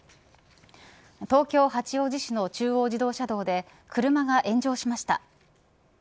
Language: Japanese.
東京、八王子市の中央自動車道で車が炎上しました。